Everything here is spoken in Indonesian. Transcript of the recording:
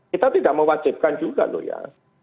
kita tidak mewajibkan juga loh ya